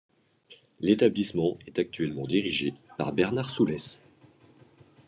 L'établissement est actuellement dirigé par Bernard Soulès.